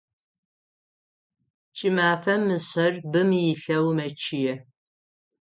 Кӏымафэм мышъэр бым илъэу мэчъые.